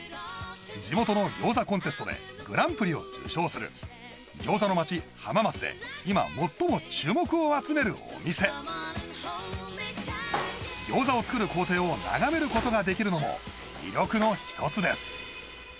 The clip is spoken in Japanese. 地元の餃子コンテストでグランプリを受賞する餃子の町浜松で今最も注目を集めるお店餃子を作る工程を眺めることができるのも魅力の一つです